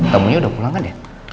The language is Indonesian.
tamunya udah pulang kan ya